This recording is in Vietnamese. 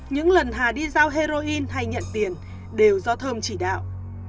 những lần hà đi giao heroin hay nhận tiền đều do thơm chỉ đạo